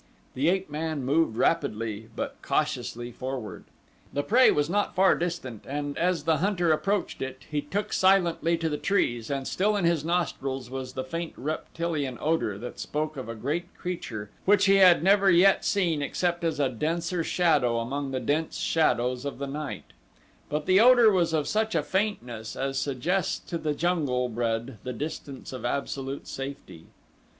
The ape man moved rapidly, but cautiously forward. The prey was not far distant and as the hunter approached it, he took silently to the trees and still in his nostrils was the faint reptilian odor that spoke of a great creature which he had never yet seen except as a denser shadow among the dense shadows of the night; but the odor was of such a faintness as suggests to the jungle bred the distance of absolute safety.